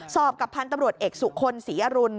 กับพันธุ์ตำรวจเอกสุคลศรีอรุณ